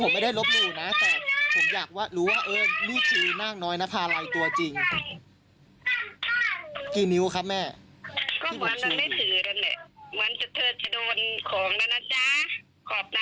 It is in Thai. ผมขอบตาดำแล้วเหรอฮะ